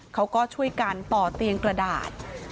เขาก็ช่วยกันต่อเตียงกระดาษ